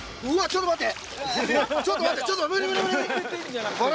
ちょっと待って！